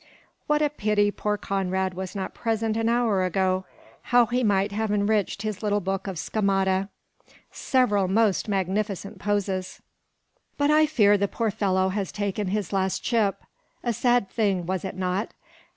What a pity poor Conrad was not present an hour ago! How he might have enriched his little book of schemata. Several most magnificent poses. But I fear the poor fellow has taken his last chip. A sad thing, was it not?